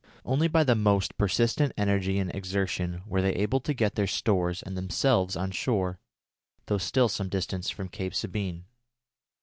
Only by the most persistent energy and exertion were they able to get their stores and themselves on shore, though still some distance from Cape Sabine.